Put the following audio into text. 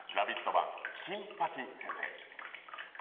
版金八先生」。